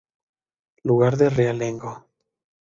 Lugar de Realengo.